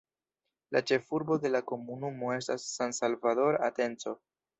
La ĉefurbo de la komunumo estas San Salvador Atenco.